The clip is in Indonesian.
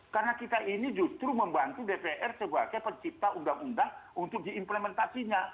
karena kita ini justru membantu dpr sebagai pencipta undang undang untuk diimplementasinya